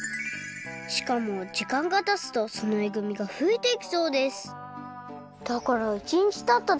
しかも時間がたつとそのえぐみがふえていくそうですだから１にちたった